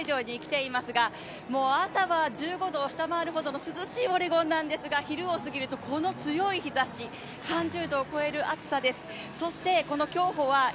私は競歩のレース会場に来ていますが、朝は１５度を下回るほどの涼しいオレゴンなんですが昼を過ぎるとこの強い日ざし、３０度を超える暑さです。